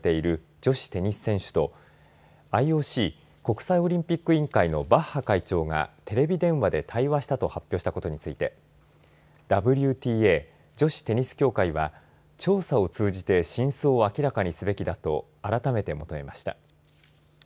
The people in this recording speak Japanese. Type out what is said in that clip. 女子テニス選手とＩＯＣ国際オリンピック委員会のバッハ会長がテレビ電話で対話したと発表したことについてＷＴＡ女子テニス協会は調査を通じて真相を明らかにすべきだと改めて求めました。